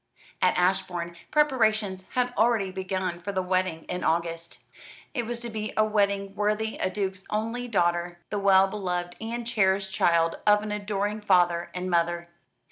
At Ashbourne preparations had already begun for the wedding in August. It was to be a wedding worthy of a duke's only daughter, the well beloved and cherished child of an adoring father and mother.